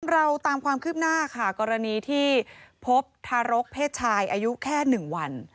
เราตามความคืบหน้าค่ะกรณีที่พบทารกเพศชายอายุแค่๑วัน